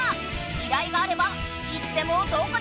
依頼があればいつでもどこでもかけつける！